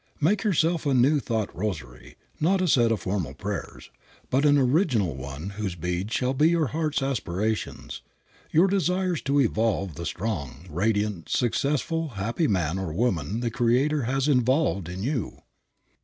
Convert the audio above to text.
Make yourself a New Thought rosary, not of set formal prayers, but an original one whose beads shall be your heart's aspirations, your desires to e volve the strong, radiant, successful happy man or woman the Creator has in volved in you.